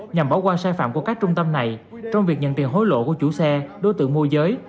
nhằm bỏ qua sai phạm của các trung tâm này trong việc nhận tiền hối lộ của chủ xe đối tượng môi giới